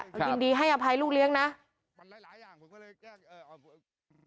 จริงดีให้อภัยลูกเลี้ยงนะหลายหลายอย่างผมก็เลยแจ้งเอออ่อ